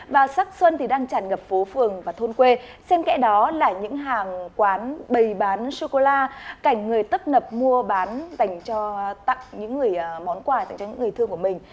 và sắc xuân thì đang chẳng ngập phố phường và thôn quê xem kẽ đó là những hàng quán bầy bán chocolate cảnh người tấp nập mua bán dành cho tặng những món quà dành cho những người thương của mình